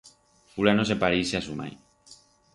Fulano se pareixe a su mai.